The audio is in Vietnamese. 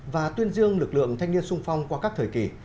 và tuyên dương lực lượng thanh niên sung phong qua các thời kỳ